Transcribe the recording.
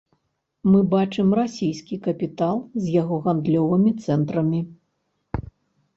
Мы бачым расійскі капітал з яго гандлёвымі цэнтрамі.